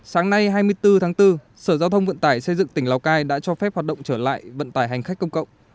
sáng nay hai mươi bốn tháng bốn sở giao thông vận tải xây dựng tỉnh lào cai đã cho phép hoạt động trở lại vận tải hành khách công cộng